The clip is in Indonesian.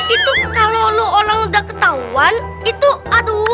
itu kalau lu orang udah ketahuan itu aduh